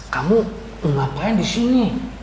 kamu ngapain disini